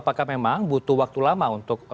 apakah memang butuh waktu lama untuk